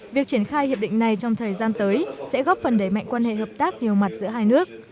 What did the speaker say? việc triển khai hiệp định này trong thời gian tới sẽ góp phần đẩy mạnh quan hệ hợp tác nhiều mặt giữa hai nước